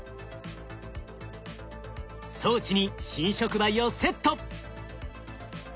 装置に新触媒をセット。